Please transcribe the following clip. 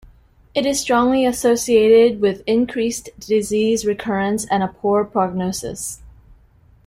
It is strongly associated with increased disease recurrence and a poor prognosis.